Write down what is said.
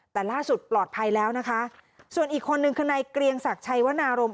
แต่ล่าสุดปลอดภัยแล้วนะคะส่วนอีกคนนึงคือนายเกรียงศักดิ์ชัยวนารม